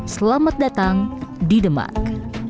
selamat datang di demak